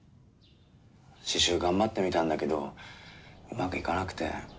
刺しゅう頑張ってみたんだけどうまくいかなくて。